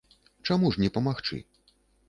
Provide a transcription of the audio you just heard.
Чаму ж не памагчы?